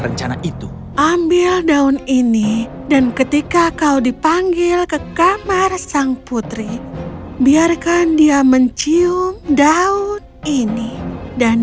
rencana itu ambil daun ini dan ketika kau dipanggil ke kamar sang putri biarkan dia mencium daun ini dan